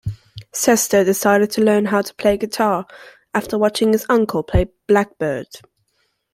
Cester decided to learn how to play guitar after watching his uncle play "Blackbird".